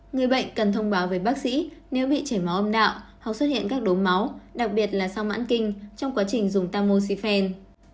người bệnh cần thông báo với bác sĩ nếu bị trẻ máu âm đạo hoặc xuất hiện các đốm máu đặc biệt là sang mãn kinh trong quá trình dùng tamoxifen